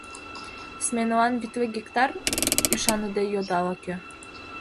Сменылан витле гектар? — ӱшаныде йодо ала-кӧ.